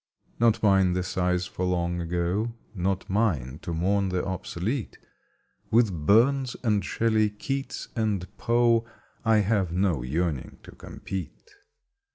Not mine the sighs for Long Ago; Not mine to mourn the obsolete; With Burns and Shelley, Keats and Poe I have no yearning to compete.